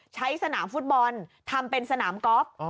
ใช้สนามฟุตบอลทำเป็นสนามกอล์ฟ